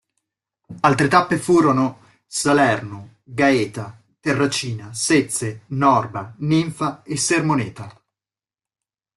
Altre tappe furono: Salerno, Gaeta, Terracina, Sezze, Norba, Ninfa e Sermoneta.